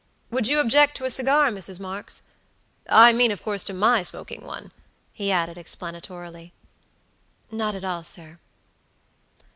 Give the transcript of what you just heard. "Would you object to a cigar, Mrs. Marks? I mean, of course, to my smoking one," he added, explanatorily. "Not at all, sir."